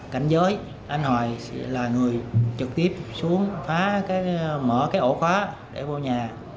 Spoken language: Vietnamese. cảnh giới anh hoài là người trực tiếp xuống phá mở cái ổ khóa để vô nhà